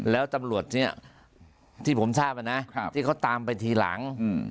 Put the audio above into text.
แล้วตำรวจเนี่ยที่ผมทราบนะที่เขาตามไปทีหลัง